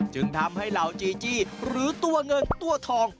จึงทำให้เหล่าจีจี้หรือตัวเงินตัวทอง